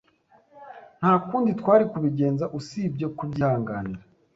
Nta kundi twari kubigenza usibye kubyihanganira.